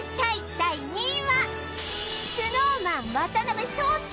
第２位はＳｎｏｗＭａｎ渡辺翔太